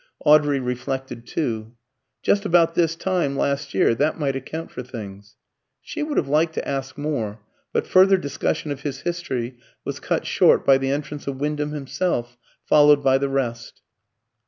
Audrey reflected too. "Just about this time last year. That might account for things." She would have liked to ask more; but further discussion of his history was cut short by the entrance of Wyndham himself, followed by the rest.